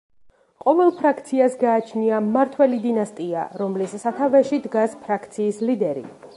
ყოველ ფრაქციას გააჩნია მმართველი დინასტია, რომლის სათავეში დგას ფრაქციის ლიდერი.